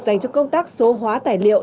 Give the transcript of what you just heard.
dành cho công tác số hóa tài liệu